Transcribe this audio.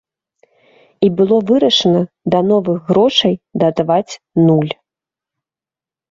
І было вырашана да новых грошай дадаваць нуль.